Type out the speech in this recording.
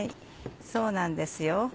そうなんですよ。